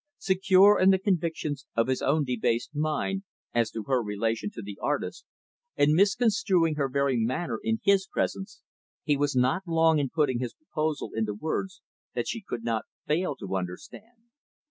Secure in the convictions of his own debased mind, as to her relation to the artist; and misconstruing her very manner in his presence; he was not long in putting his proposal into words that she could not fail to understand.